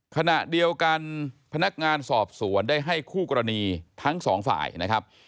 ขณะเดียวกันพนักงานสอบสวนได้ให้คู่กรณีทั้งสองฝ่ายนะครับ